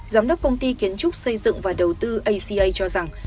giám đốc công ty kiến trúc xây dựng và đầu tư aca cho rằng